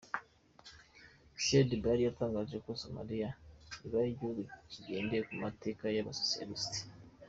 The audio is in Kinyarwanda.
Siad Barre yatangaje ko Somalia ibaye igihugu kigendera ku mateka y’abasocialiste.